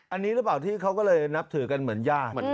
อันนี้หรือเปล่าที่เขาก็เลยนับถือกันเหมือนญาติ